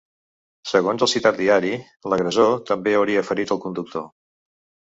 Segons el citat diari, l’agressor també hauria ferit el conductor.